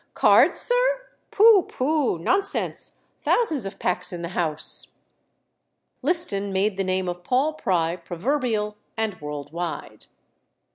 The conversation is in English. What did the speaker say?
"Cards, sir? Pooh! pooh! Nonsense! thousands of packs in the house." Liston made the name of Paul Pry proverbial and world wide.